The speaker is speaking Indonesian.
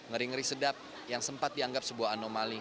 ngeri ngeri sedap yang sempat dianggap sebuah anomali